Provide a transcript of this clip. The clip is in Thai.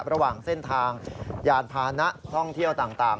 ระหว่างเส้นทางยานพานะท่องเที่ยวต่าง